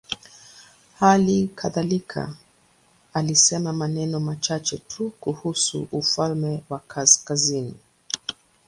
Hali kadhalika alisema maneno machache tu kuhusu ufalme wa kaskazini.